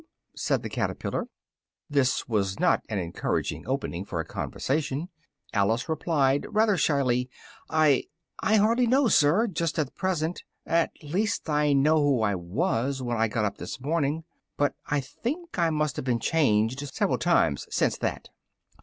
said the caterpillar. This was not an encouraging opening for a conversation: Alice replied rather shyly, "I I hardly know, sir, just at present at least I know who I was when I got up this morning, but I think I must have been changed several times since that."